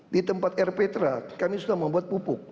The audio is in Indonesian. di tempat rptra kami sudah membuat pupuk